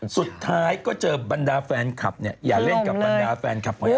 สุดท้ายก็เจอบรรดาแฟนคลับเนี่ยอย่าเล่นกับบรรดาแฟนคลับของเธอ